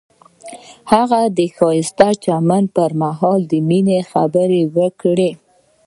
هغه د ښایسته چمن پر مهال د مینې خبرې وکړې.